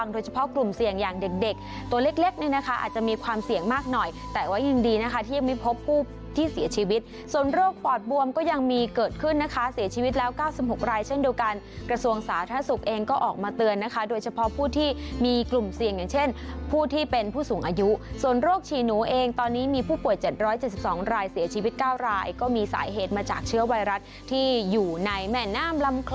ที่ยังไม่พบผู้ที่เสียชีวิตส่วนโรคปอดบวมก็ยังมีเกิดขึ้นนะคะเสียชีวิตแล้ว๙๖รายเช่นเดียวกันกระทรวงสาธาศุกร์เองก็ออกมาเตือนนะคะโดยเฉพาะผู้ที่มีกลุ่มเสี่ยงอย่างเช่นผู้ที่เป็นผู้สูงอายุส่วนโรคฉีนูเองตอนนี้มีผู้ป่วย๗๗๒รายเสียชีวิต๙รายก็มีสาเหตุมาจากเชื้อไวรัสที่อยู่ในแหม่